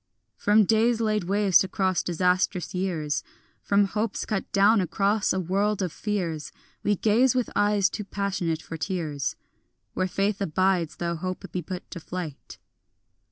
From days laid waste across disastrous years, From hopes cut down across a world of fears, We gaze with eyes too passionate for tears, Where faith abides though hope be put to flight.